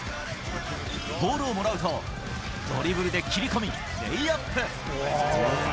ボールをもらうと、ドリブルで切り込み、レイアップ。